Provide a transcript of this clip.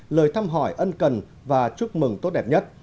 lời thăm hỏi ân cần và chúc mừng tốt đẹp nhất